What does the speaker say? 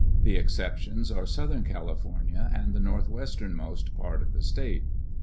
The exceptions are Southern California and the northwesternmost part of the state.